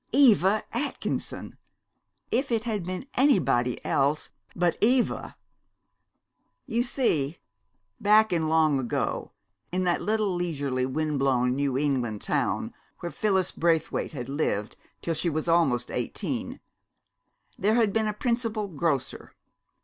Eva Atkinson!... If it had been anybody else but Eva! You see, back in long ago, in the little leisurely windblown New England town where Phyllis Braithwaite had lived till she was almost eighteen, there had been a Principal Grocer.